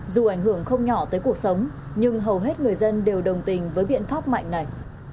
dù ảnh hưởng không nhỏ tới cuộc sống nhưng hầu hết người dân đều đồng tình với biện pháp mạnh này